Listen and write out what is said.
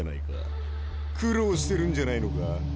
苦労してるんじゃないのか？